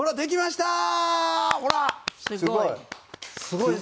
すごい。